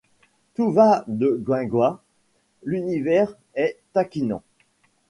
Tout va de guingois ; l’univers est taquinant.